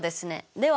では